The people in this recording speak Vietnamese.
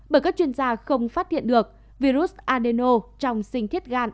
bởi các chuyên gia không phát hiện được virus adeno trong sinh thiết gan